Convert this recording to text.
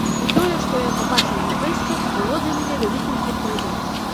І тое, што я пабачыў на фэсце, было для мяне вялікім сюрпрызам.